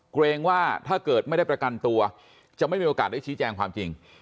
เกรงว่าถ้าเกิดไม่ได้ประกันตัวจะไม่มีโอกาสได้ชี้แจงความจริง